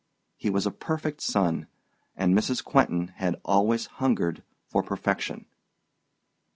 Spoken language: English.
He was a perfect son, and Mrs. Quentin had always hungered for perfection.